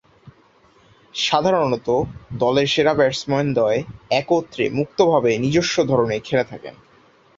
সাধারণতঃ দলের সেরা ব্যাটসম্যানদ্বয় একত্রে মুক্তভাবে নিজস্ব ধরনে খেলে থাকেন।